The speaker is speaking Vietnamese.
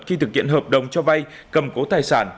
khi thực hiện hợp đồng cho vay cầm cố tài sản